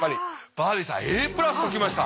バービーさんＡプラスときました。